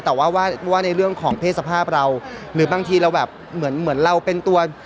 แต่ว่าว่าในเรื่องของเพศสภาพเราหรือบางทีเราแบบเหมือนเหมือนเราเป็นตัว